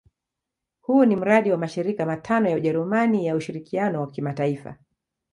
Huu ni mradi wa mashirika matano ya Ujerumani ya ushirikiano wa kimataifa.